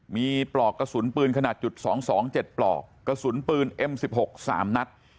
มีปลอกกระสุนปืนขนาดจุดสองสองเจ็ดปลอกกระสุนปืนเอ็มสิบหกสามนัด